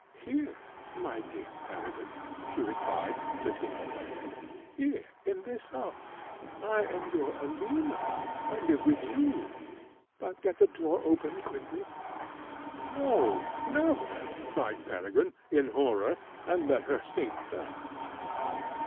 "Here, my dear Peregrine," she replied, lifting up her head; "here, in this house: I am your Alina; I live with you; but get the door open quickly." "No never!" cried Peregrine, in horror, and let her sink down.